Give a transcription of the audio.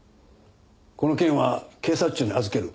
この件は警察庁に預ける。